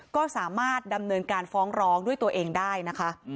ก็สามารถดำเนินการฟ้องร้องด้วยตัวเองได้นะคะ